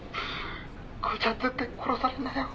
「幸ちゃん絶対殺されるなよ」